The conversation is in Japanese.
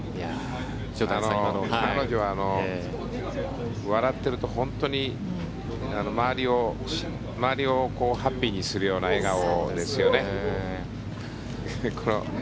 彼女は笑っていると本当に周りをハッピーにするような笑顔ですよね。